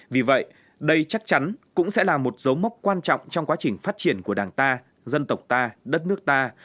vì vậy đây chắc chắn cũng sẽ là một dấu mốc quan trọng trong quá trình phát triển của đảng ta dân tộc ta đất nước ta